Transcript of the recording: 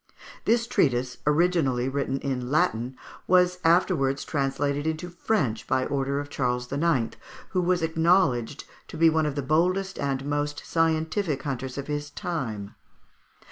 This treatise, originally written in Latin, was afterwards translated into French by order of Charles IX., who was acknowledged to be one of the boldest and most scientific hunters of his time.